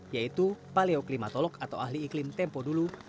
yaitu paleoklimatolog atau ahli iklim tempo dulu